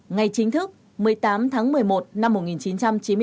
ngày chính thức một mươi tám tháng một mươi một năm một nghìn chín trăm chín mươi bốn